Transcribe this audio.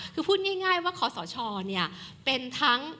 คือพูดง่ายว่าขอสชเนี่ยเป็นทั้ง